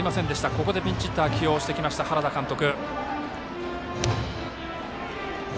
ここでピンチヒッターを起用してきました原田監督。